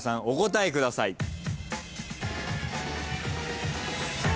お答えください。